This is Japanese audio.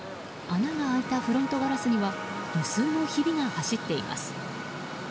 穴が開いたフロントガラスには無数のひびが走っています。